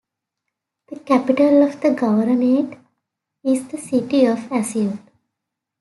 The capital of the governorate is the city of Asyut.